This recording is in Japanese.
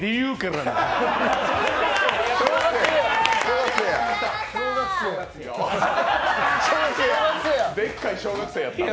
でっかい小学生やった。